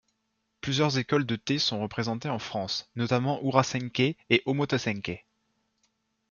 Plusieurs écoles de thé sont représentées en France, notamment Urasenke et Omotesenke.